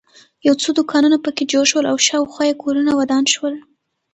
یو څو دوکانونه په کې جوړ شول او شاخوا یې کورونه ودان شول.